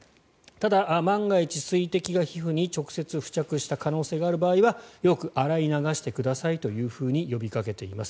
ただ、万が一水滴が皮膚に直接付着した可能性がある場合にはよく洗い流してくださいと呼びかけています。